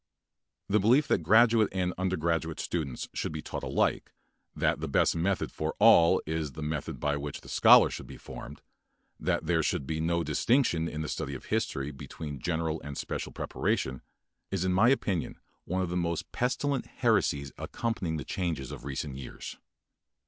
The belief that graduate and undergraduate students should be taught alike, that the best method for all is the method by which the scholar should be formed, that there should be no distinction in the study of history between general and special preparation, is in my opinion one of the most pestilent heresies accompanying the changes of recent years.